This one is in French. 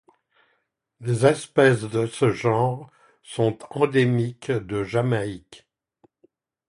Les espèces de ce genre sont endémiques de Jamaïque.